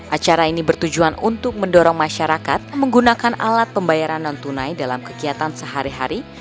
acara ini bertujuan untuk mendorong masyarakat menggunakan alat pembayaran non tunai dalam kegiatan sehari hari